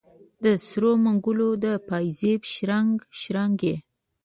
د سرو منګولو د پایزیب شرنګ، شرنګ یې